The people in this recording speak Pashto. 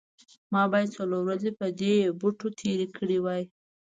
ما باید څلور ورځې په دې بوټو تیرې کړې وي